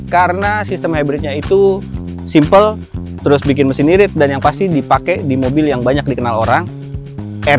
karena sistem hybridnya itu simple terus bikin mesin irit dan yang pasti dipakai di mobil yang banyak dikenal orang r tiga